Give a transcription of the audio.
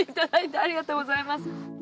ありがとうございます。